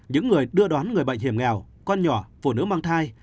những người đưa đón người bệnh hiểm nghèo con nhỏ phụ nữ mang thai